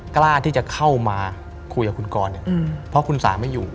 กล้าที่จะเข้ามาคุยกับคุณกรเนี่ยเพราะคุณสาไม่อยู่